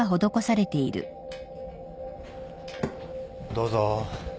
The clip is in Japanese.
どうぞ。